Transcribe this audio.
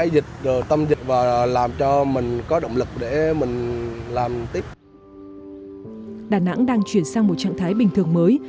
đà nẵng đang chuyển sang một trạng thái bình thường mới